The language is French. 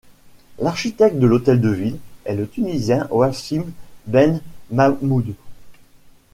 L'architecte de l'hôtel de ville est le Tunisien Wassim Ben Mahmoud.